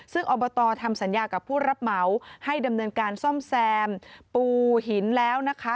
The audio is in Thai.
ซึ่งอบตทำสัญญากับผู้รับเหมาให้ดำเนินการซ่อมแซมปูหินแล้วนะคะ